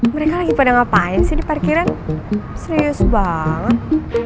mereka lagi pada ngapain sih di parkiran serius banget